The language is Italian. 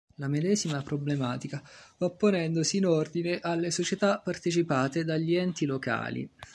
La medesima problematica va ponendosi in ordine alle società partecipate dagli enti locali.